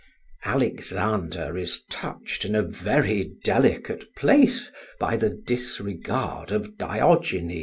Alexander is touched in a very delicate place by the disregard of Diogenes.